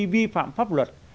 vi phạm pháp luật